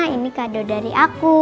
ini kado dari aku